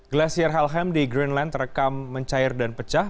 glacier helheim di greenland terekam mencair dan pecah